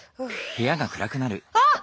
あっ！